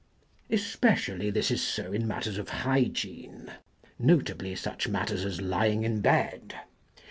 Especially this is so in mat ters of hygiene ; notably such matters as lying in bed.